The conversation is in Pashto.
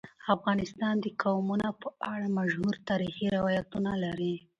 افغانستان د قومونه په اړه مشهور تاریخی روایتونه لري.